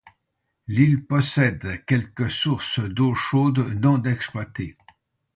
L'île possède quelques sources d'eau chaude, non exploitées.